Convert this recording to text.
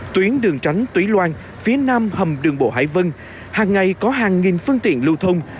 tuyến đường tránh túy loan phía nam hầm đường bộ hải vân hàng ngày có hàng nghìn phương tiện lưu thông